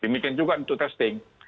mungkin juga untuk testing